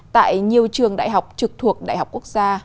tại nhiều trường đại học trực thuộc đại học quốc gia